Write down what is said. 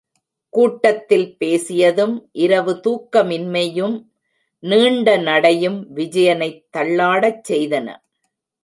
கூட்டத்தில் பேசியதும் இரவு தூக்கமின்மையம் நீண்ட நடையும் விஜயனை தள்ளாடச் செய்தன.